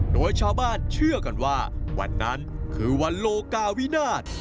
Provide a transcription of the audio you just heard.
โดยชาวบ้านเชื่อกันว่าวันนั้นคือวันโลกาวินาศ